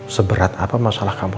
seberat apa masalah kamu